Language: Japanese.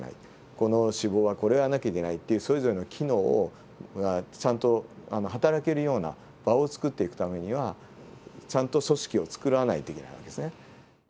この脂肪はこれをやんなきゃいけないっていうそれぞれの機能をちゃんと働けるような場をつくっていくためにはちゃんと組織をつくらないといけない訳ですね。